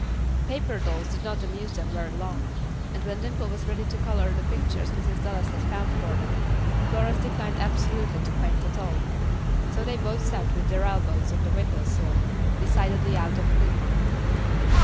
Paper dolls did not amuse them very long; and when Dimple was ready to color the pictures Mrs. Dallas had found for them, Florence declined absolutely to paint at all. So they both sat with their elbows on the window sill, decidedly out of humor.